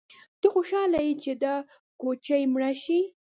_ته خوشاله يې چې دا کوچۍ مړه شي؟